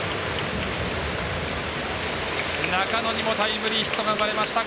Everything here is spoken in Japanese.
中野にもタイムリーヒットが生まれました。